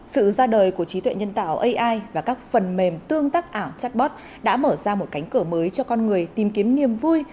sự ra đời của trí tuệ nhân tạo ai và các phần mềm tương tác ảo chatbot đã mở ra một cánh cửa mới cho con người tìm kiếm niềm vui